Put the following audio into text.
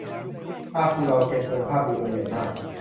ปลากุเลาเค็มคุณภาพดี ตัวใหญ่มาก